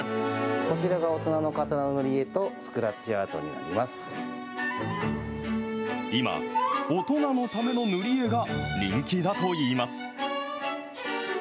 こちらが大人の方の塗り絵と、今、大人のための塗り絵が人気だといいます。